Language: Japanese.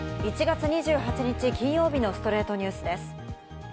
１月２８日、金曜日の『ストレイトニュース』です。